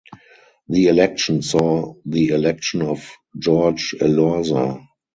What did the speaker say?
The election saw the election of Jorge Elorza.